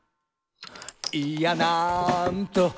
「いやなんと」